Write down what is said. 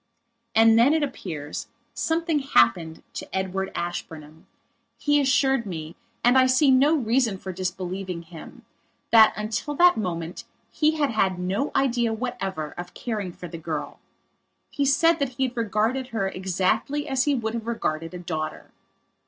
And then, it appears, something happened to Edward Ashburnham. He assured meand I see no reason for disbelieving himthat until that moment he had had no idea whatever of caring for the girl. He said that he had regarded her exactly as he would have regarded a daughter.